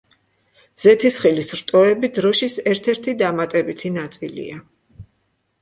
ზეთისხილის რტოები დროშის ერთ-ერთი დამატებითი ნაწილია.